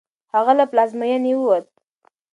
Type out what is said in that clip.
هغه له پلازمېنې ووت.